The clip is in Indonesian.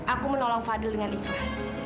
aku menolong fadil dengan ikhlas